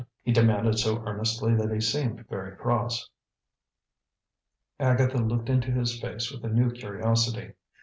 he demanded so earnestly that he seemed very cross. Agatha looked into his face with a new curiosity.